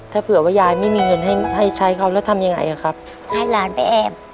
ถ้าเผื่อว่ายายไม่มีเงินให้ให้ใช้เขาแล้วทำยังไงอ่ะครับให้หลานไปแอบ